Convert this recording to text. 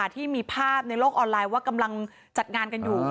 ที่มีภาพในโลกออนไลน์ว่ากำลังจัดงานกันอยู่